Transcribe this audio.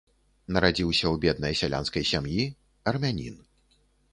Нарадзіўся ў беднай сялянскай сям'і, армянін.